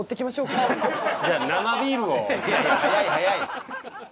いやいや早い早い。